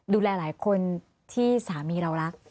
ดูแลหลายคนที่สามีเรารัก